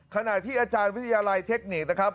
ขณะที่อาจารย์วิทยาลัยเทคนิคนะครับ